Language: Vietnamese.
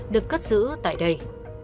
được cất giữ tại đây